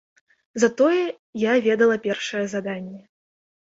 Затое я ведала першае заданне.